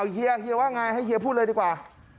เฮียเฮียว่าไงให้เฮียพูดเลยดีกว่า